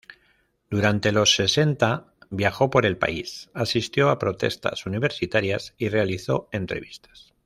Durante los sesenta, viajó por el país, asistió a protestas universitarias y realizó entrevistas.